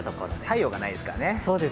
太陽がないですからね。